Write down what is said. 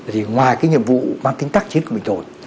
thì ngoài cái nhiệm vụ mang tính tác chiến của mình rồi